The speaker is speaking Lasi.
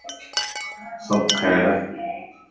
سڀ خير؟